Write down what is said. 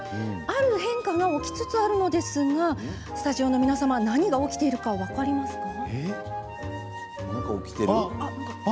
ある変化が起きつつあるのですがスタジオの皆様何が起きているか分かりますか？